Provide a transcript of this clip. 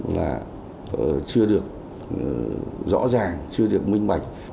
là chưa được rõ ràng chưa được minh bạch